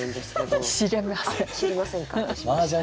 あっ知りませんか。